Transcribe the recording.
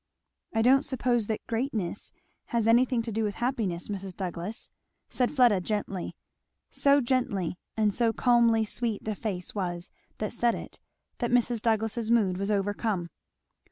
"I don't suppose that greatness has anything to do with happiness, Mrs. Douglass," said Fleda gently. So gently, and so calmly sweet the face was that said it that Mrs. Douglass's mood was overcome.